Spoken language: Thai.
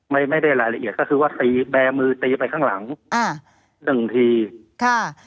ไม่ได้รายละเอียดก็คือว่าตีแบร์มือตีไปข้างหลังอ่าหนึ่งทีค่ะ